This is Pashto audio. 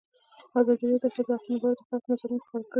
ازادي راډیو د د ښځو حقونه په اړه د خلکو نظرونه خپاره کړي.